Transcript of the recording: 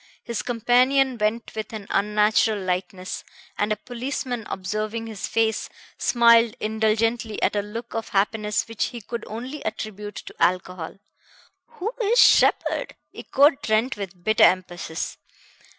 His companion went with an unnatural lightness, and a policeman observing his face, smiled indulgently at a look of happiness which he could only attribute to alcohol. "Who is Sheppard?" echoed Trent with bitter emphasis.